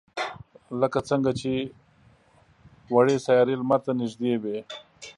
لکه څنگه چې وړې سیارې لمر ته نږدې وي.